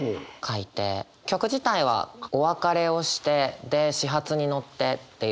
曲自体はお別れをしてで始発に乗ってっていうふうに。